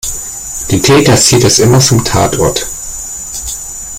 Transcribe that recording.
Den Täter zieht es immer zum Tatort.